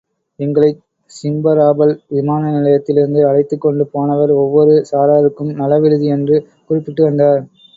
எங்களைச் Simferopol விமான நிலையத்திலிருந்து அழைத்துக் கொண்டு போனவர் ஒவ்வொரு சாராருக்கும் நலவிடுதி என்று குறிப்பிட்டு வந்தார்.